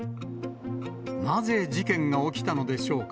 なぜ事件が起きたのでしょうか。